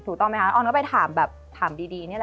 ถูกต้องไหมคะออนก็ไปถามแบบถามดีนี่แหละ